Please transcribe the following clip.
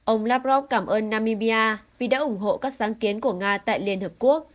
ông lavrov cảm ơn namibia vì đã ủng hộ các sáng kiến của nga tại liên hợp quốc